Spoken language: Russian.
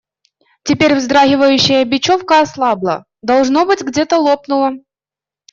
Теперь вздрагивающая бечевка ослабла – должно быть, где-то лопнула.